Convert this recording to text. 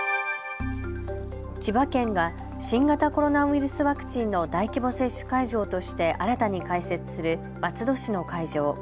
千葉県が新型コロナウイルスワクチンの大規模接種会場として新たに開設する松戸市の会場。